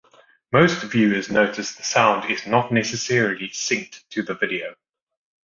Most viewers notice the sound is not necessarily synched to the video.